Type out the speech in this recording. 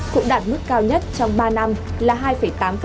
cũng đạt mức cao nhất trong ba năm là hai tám